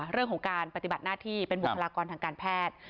เรื่องของการปฏิบัติหน้าที่เป็นบุคลากรทางการแพทย์